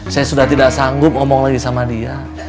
saya sudah tidak sanggup ngomong lagi sama dia